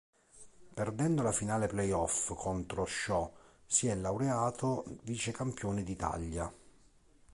Perdendo la finale play-off contro Schio, si è laureato vice campione d'Italia.